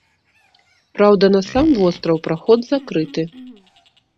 Праўда, на сам востраў праход закрыты.